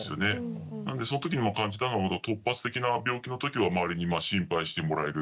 なのでその時に感じたのは突発的な病気の時は周りに心配してもらえる。